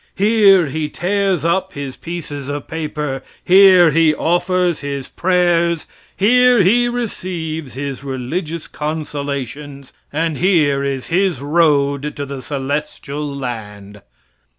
Here he tears up his pieces of paper; here he offers up his prayers; here he receives his religious consolations, and here is his road to the celestial land."